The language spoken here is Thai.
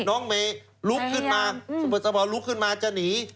น้องเมลุกขึ้นมาสมมติพอลุกขึ้นมาจะหนี